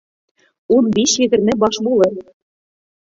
Ун биш-егерме баш булыр.